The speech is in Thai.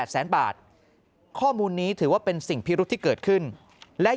แสนบาทข้อมูลนี้ถือว่าเป็นสิ่งพิรุษที่เกิดขึ้นและ